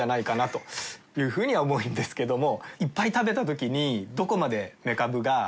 というふうには思うんですけども。